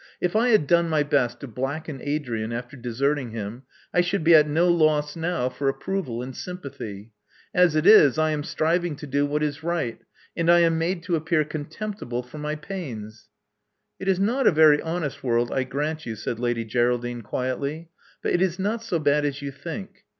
If I had done my best to blacken Adrian after deserting him, I should be at no loss now for approval and sympathy. As it is, I am striving to do what is right; and I am made to appear contemptible for my pains." It is not a very honest world, I grant you," said Lady Geraldine quietly; but it is not so bad as you think.